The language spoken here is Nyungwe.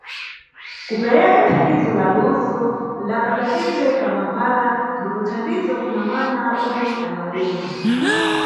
Kupereka thandizo la luso la keperekedwe ka mankhwala ndipo thandizo kuna mwana omwe ana ulema.